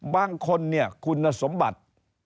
บางคนเนี่ยคุณสมบัติ